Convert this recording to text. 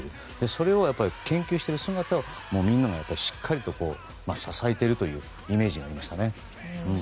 それを研究している姿を皆さんがしっかり支えているというイメージがありましたね。